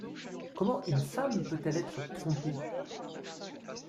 Comment une femme peut-elle être trompée?